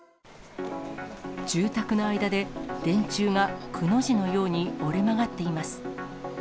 住宅の間で、電柱がくの字のように折れ曲がっています。